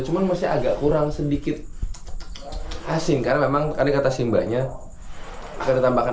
cuman masih agak kurang sedikit asing karena memang ada kata simbanya akan ditambahkan